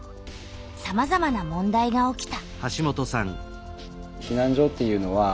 さまざまな問題が起きた。